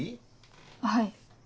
はい。